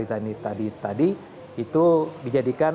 diharapkan bahwa apa peristiwa pagi story hari tadi